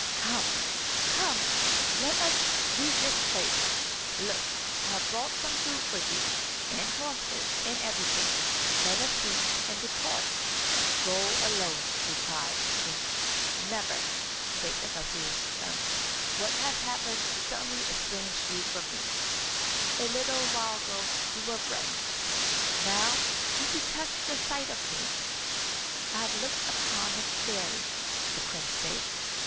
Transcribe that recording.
"Come, come; let us leave this place. Look, I have brought some food for you, and horses, and everything. Let us eat and depart." "Go alone," replied the prince. "Never," said the vizier's son. "What has happened to suddenly estrange you from me? A little while ago we were brethren, but now you detest the sight of me." "I have looked upon a fairy," the prince said.